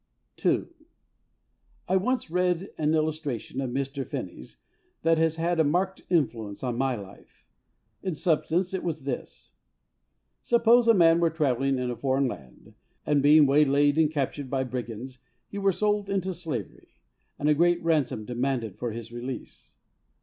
^* II. I ONCE read an illustration of Mr. Finney^s that has had a marked influence on my life. In substance, it was this : "Suppose a man were travelling in a foreign land, and, being waylaid and captured by brigands, he were sold into slavery, and a great ransom demanded for his release.